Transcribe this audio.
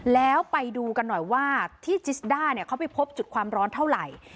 แล้วไปดูกันหน่อยว่าที่จิสด้าเนี่ยเขาไปพบจุดความร้อนเท่าไหร่